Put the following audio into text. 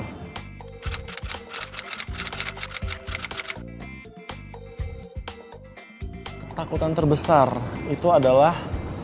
ketakutan terbesar itu adalah